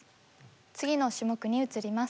次の種目に移ります。